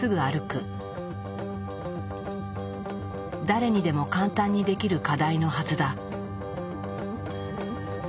誰にでも簡単にできる課題のはずだ。